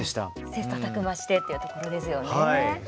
切さたく磨してっていうところですよね。